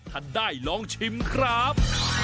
ถัดได้ลองชิมครับ